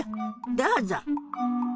どうぞ。